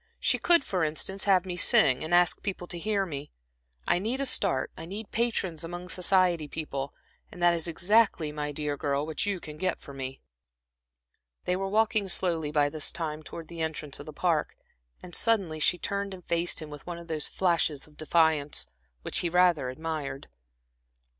"She could, for instance, have me sing and ask people to hear me. I need a start, I need patrons among society people; and that is exactly, my dear girl, what you can get me." They were walking slowly by this time towards the entrance of the Park, and suddenly she turned and faced him with one of those flashes of defiance, which he rather admired.